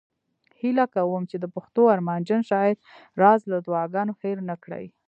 هیله کوم چې د پښتنو ارمانجن شاعر راز له دعاګانو هیر نه کړي